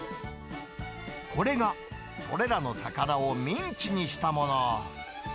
これが、これらの魚をミンチにしたもの。